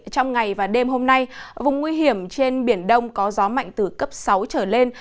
trong ngày và đêm hôm nay vùng nguy hiểm trên biển đông có gió mạnh từ cấp sáu trở lên